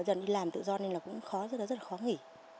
đi làm tự do nên là cũng khó rất là khó nghỉ